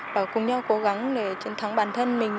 và cùng nhau cố gắng để chiến thắng bản thân mình